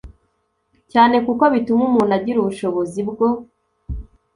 cyane kuko bituma umuntu agira ubushobozi bwo